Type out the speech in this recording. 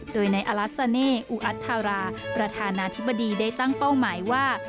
โดยในอลัสซาเน่อูอัธาราประธานาธิบดีได้ตั้งเป้าหมายว่า